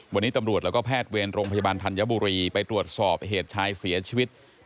วันนี้ตำรวจและแพทย์เวียนโรงพยาบาลธัญบุรีไปตรวจสอบเหตุชายเสียชีวิตที่บ้านหลังหนึ่ง